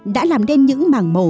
đã làm nên những màng màu